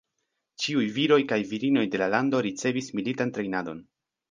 Ĉiuj viroj kaj virinoj de la lando ricevis militan trejnadon.